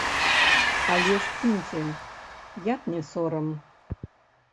Але ж кіньце, як не сорам.